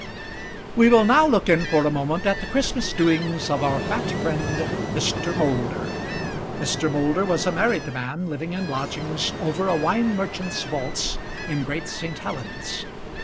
We will now look in for a moment at the Christmas doings of our fat friend, Mr. Moulder. Mr. Moulder was a married man living in lodgings over a wine merchant's vaults in Great St. Helens.